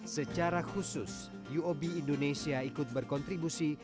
secara khusus uob indonesia ikut berkontribusi